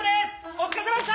お疲れさまでした！